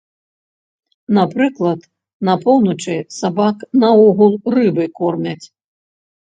Напрыклад, на поўначы сабак наогул рыбай кормяць.